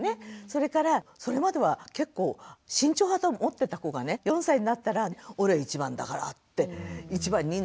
それからそれまでは結構慎重派だと思ってた子がね４歳になったら「俺１番だから」って１番に命かけたりね。